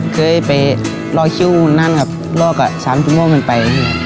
เคยไปล่อคิ้วนั้นล่อกับสารผิวม่วงเหมือนไป